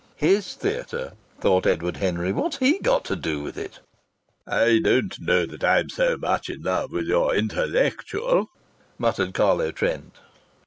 ("His theatre!" thought Edward Henry. "What's he got to do with it?") "I don't know that I'm so much in love with your 'Intellectual,'" muttered Carlo Trent.